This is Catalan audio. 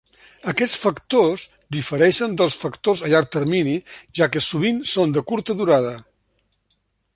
Aquests factors difereixen dels factors a llarg termini, ja que sovint són de curta durada.